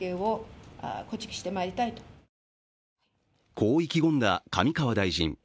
こう意気込んだ上川大臣。